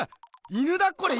犬だこれ！